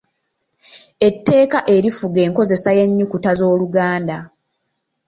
Etteeka erifuga enkozesa y'ennyukuta z'Oluganda.